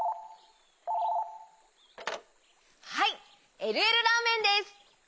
☎はいえるえるラーメンです！